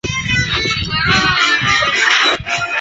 印度锦鸡儿为豆科锦鸡儿属下的一个种。